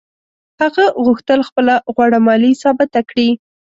هغه غوښتل خپله غوړه مالي ثابته کړي.